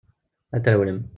Ad trewlem.